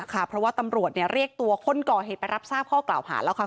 เพราะว่าตำรวจเรียกตัวคนก่อเหตุไปรับทราบข้อกล่าวหาแล้วค่ะ